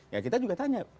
ya kita juga tanya